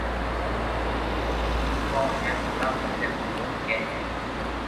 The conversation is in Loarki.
ايم ڪون ھي ڀلا پسي ڀگوان ڪي اي